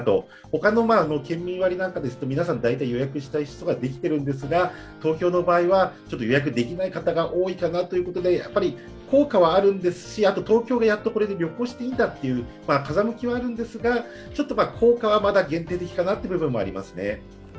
他の県民割りなんかですと皆さん、大体予約したい人ができているんですが、東京の場合は予約できない方が多いかなということで、やっぱり効果はあるんですし東京がこれでようやく旅行していいんだという風向きはあるんですが、ちょっと効果はまだ限定的かなという部分はありますね。